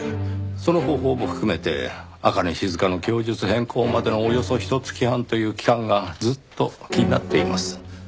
その方法も含めて朱音静の供述変更までのおよそひと月半という期間がずっと気になっています。